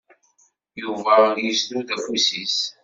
Yufa uzduz afus-is.